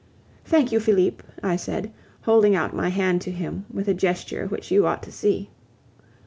"Thank you, Felipe," I said, holding out my hand to him with a gesture which you ought to see.